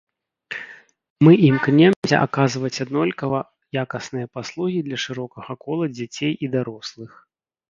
Мы імкнёмся аказваць аднолькава якасныя паслугі для шырокага кола дзяцей і дарослых.